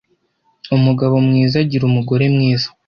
Umugabo mwiza agira umugore mwiza.